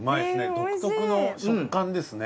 独特の食感ですね。